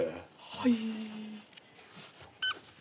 はい。